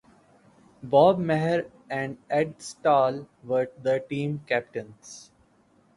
Bob Mahr and Ed Stahl were the team captains.